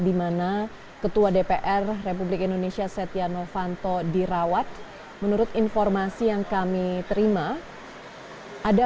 dimana ketua dpr republik indonesia setia novanto dirawat menurut informasi yang kami terima ada